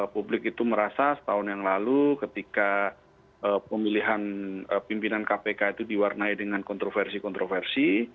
publik itu merasa setahun yang lalu ketika pemilihan pimpinan kpk itu diwarnai dengan kontroversi kontroversi